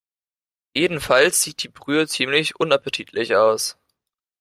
Jedenfalls sieht die Brühe ziemlich unappetitlich aus.